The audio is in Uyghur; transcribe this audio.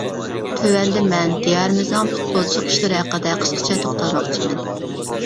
تۆۋەندە مەن دىيارىمىزنىڭ پۇتبولچىلىق ئىشلىرى ھەققىدە قىسقىچە توختالماقچىمەن.